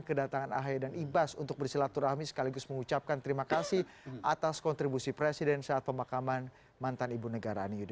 kedatangan ahi dan ibas untuk bersilatur rahmi sekaligus mengucapkan terima kasih atas kontribusi presiden saat pemakaman mantan ibu negara